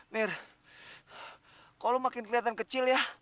mir kok lu makin keliatan kecil ya